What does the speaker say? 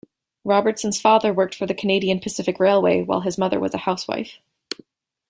Robertson's father worked for the Canadian Pacific Railway, while his mother was a housewife.